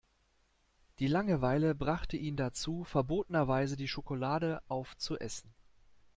Die Langeweile brachte ihn dazu, verbotenerweise die Schokolade auf zu essen.